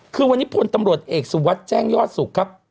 คือวันนี้พลตำรวจเอกสุวัสดิ์แจ้งยอดสุขครับ